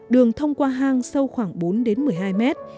đường thông qua hang sâu khoảng bốn đến một mươi hai mét